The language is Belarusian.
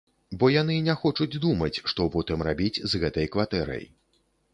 Бо яны не хочуць думаць, што потым рабіць з гэтай кватэрай.